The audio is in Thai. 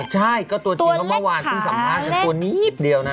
ใช่ก็ตัวจริงว่าเมื่อวานที่สัมภาษณ์กันตัวนิดเดียวนะ